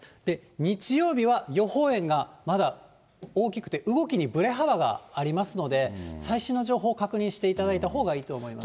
日曜日は予報円がまだ大きくて動きにぶれ幅がありますので、最新の情報を確認していただいたほうがいいと思います。